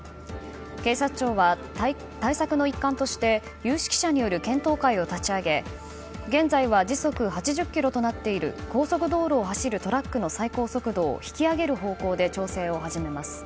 警察庁は対策の一環として有識者による検討会を立ち上げ現在は時速８０キロとなっている高速道路を走るトラックの最高速度を引き上げる方向で調整を始めます。